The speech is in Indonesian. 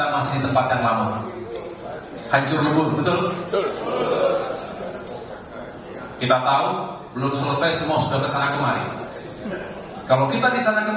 menurut kita bersama bapak prabowo